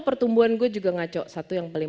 pertumbuhan gue juga ngaco satu yang paling